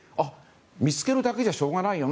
見つけるだけじゃしょうがないよな。